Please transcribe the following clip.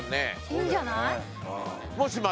いいんじゃない？